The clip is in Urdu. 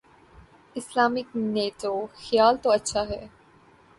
اسلامک نیٹو: خیال تو اچھا ہے۔